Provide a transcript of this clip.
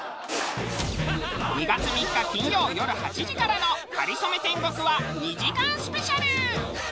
２月３日金曜よる８時からの『かりそめ天国』は２時間スペシャル！